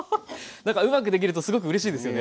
なんかうまくできるとすごくうれしいですよね。